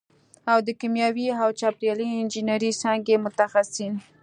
او د کیمیاوي او چاپېریالي انجینرۍ څانګې متخصصین